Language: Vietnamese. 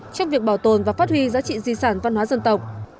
trong việc bảo tồn và phát huy giá trị di sản văn hóa dân tộc